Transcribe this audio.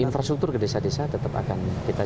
infrastruktur ke desa desa tetap akan kita